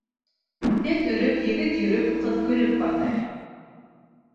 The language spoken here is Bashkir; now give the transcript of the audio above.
Әт өрөп, егет йөрөп, ҡыҙ көлөп ҡартая.